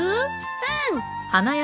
うん。